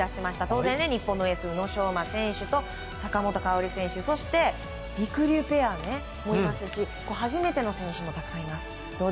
当然、日本のエース宇野昌磨選手と坂本花織選手、そしてりくりゅうペアもいますし初めての選手もたくさんいます。